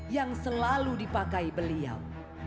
yang selalu dipakai beliau